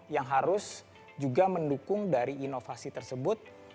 yang harus juga mendukung dari inovasi tersebut